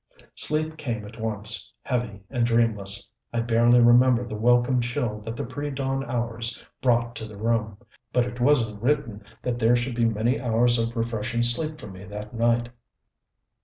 Sleep came at once, heavy and dreamless. I barely remember the welcome chill that the pre dawn hours brought to the room. But it wasn't written that there should be many hours of refreshing sleep for me that night.